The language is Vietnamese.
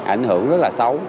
ảnh hưởng rất là xấu